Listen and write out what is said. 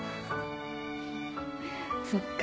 そっか。